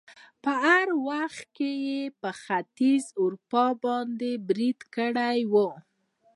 په ورته وخت کې يې په ختيځې اروپا باندې بريد کړی وو